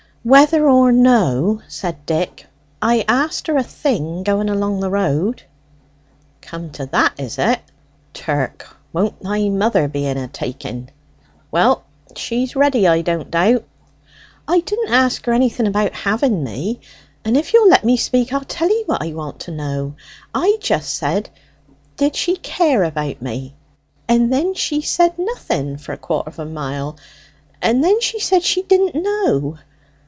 "Whether or no," said Dick, "I asked her a thing going along the road." "Come to that, is it? Turk! won't thy mother be in a taking! Well, she's ready, I don't doubt?" "I didn't ask her anything about having me; and if you'll let me speak, I'll tell 'ee what I want to know. I just said, Did she care about me?" "Piph ph ph!" "And then she said nothing for a quarter of a mile, and then she said she didn't know.